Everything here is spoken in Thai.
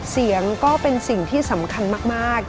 เสียงก็เป็นสิ่งที่สำคัญมาก